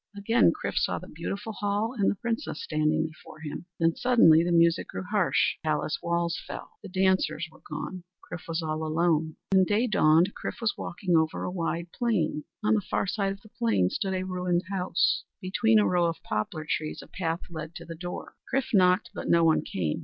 '" Again Chrif saw the beautiful hall and the Princess standing before him. Then, suddenly, the music grew harsh; the palace walls fell; the dancers were gone. Chrif was all alone. Chrif and his Books When day dawned, Chrif was walking over a wide plain. On the far side of the plain stood a ruined house. Between a row of poplar trees a path led to the door. Chrif knocked, but no one came.